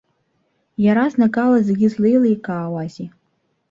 Иаразнакала зегьы злеиликаауазеи.